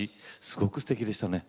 すごくすてきでしたね。